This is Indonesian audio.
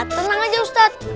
tenang aja ustadz